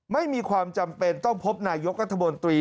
ไม่มีความจำเป็นต้องพบนายกรัฐมนตรี